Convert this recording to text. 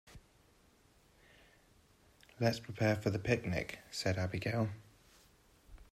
"Let's prepare for the picnic!", said Abigail.